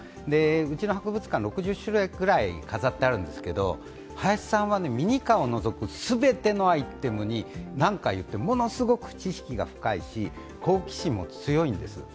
うちの博物館、６０種類ぐらい飾ってあるんですけど、林さんはミニカーを除く全てのアイテムになんか言って、ものすごく知識が深いし、好奇心も強いんですよ。